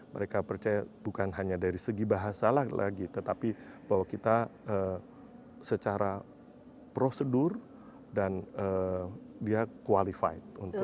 mereka percaya bukan hanya dari segi bahasa lagi tetapi bahwa kita secara prosedur dan dia qualified